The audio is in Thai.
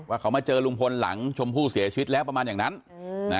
เขามาเจอลุงพลหลังชมพู่เสียชีวิตแล้วประมาณอย่างนั้น